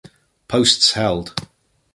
Posts held